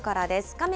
画面